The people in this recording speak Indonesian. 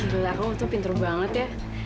gila kamu tuh pinter banget ya